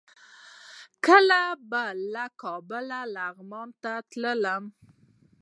کله به له کابله لغمان ته تللم.